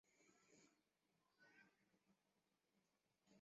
他认为未婚男子可以成为更优良的士兵。